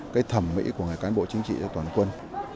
cái thẩm mỹ của người cán bộ chính trị cho toàn quân